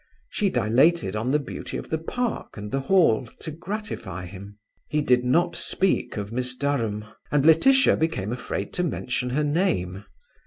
She dilated on the beauty of the park and the Hall to gratify him. He did not speak of Miss Durham, and Laetitia became afraid to mention her name.